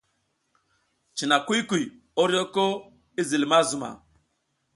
Cina kuy kuy, oryoko i zil ma zuma.